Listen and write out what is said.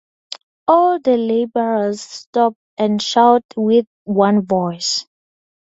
All the laborers stop and shout with one voice.